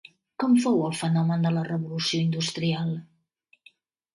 Com fou el fenomen de la Revolució Industrial?